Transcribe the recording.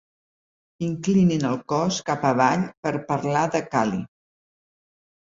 Inclinin el cos cap avall per parlar de Cali.